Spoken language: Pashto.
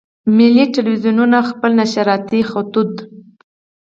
ملي ټلویزیونونه خپل نشراتي خطوط.